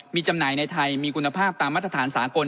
มีจำหน่ายในไทยมีคุณภาพตามมาตรฐานสากล